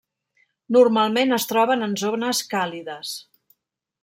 Normalment es troben en zones càlides.